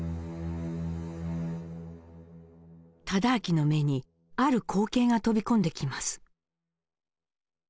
忠亮の目にある光景が飛び込んできます。